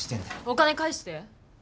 お金返して。